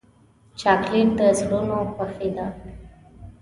چاکلېټ د زړونو خوښي ده.